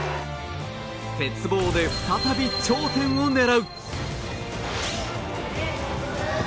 鉄棒で再び頂点を狙う。